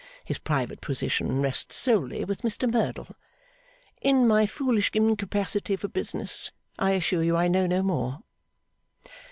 His private position rests solely with Mr Merdle. In my foolish incapacity for business, I assure you I know no more.